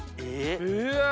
うわ。